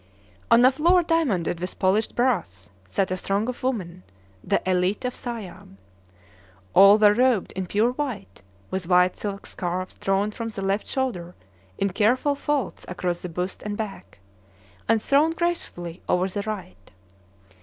On a floor diamonded with polished brass sat a throng of women, the élite of Siam. All were robed in pure white, with white silk scarfs drawn from the left shoulder in careful folds across the bust and back, and thrown gracefully over the right.